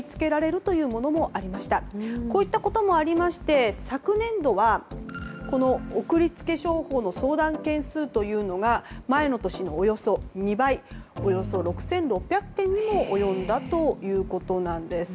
こういったこともありまして昨年度はこの送り付け商法の相談件数というのが前の年のおよそ２倍のおよそ６６００件にも及んだということです。